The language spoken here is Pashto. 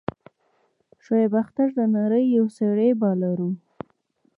شعیب اختر د نړۍ یو سريع بالر وو.